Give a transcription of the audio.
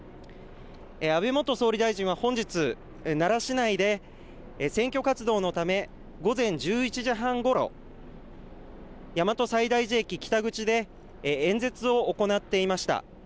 安倍元総理大臣は、本日奈良市内で選挙活動のため午前１１時半ごろ大和西大寺駅北口で演説を行っていました。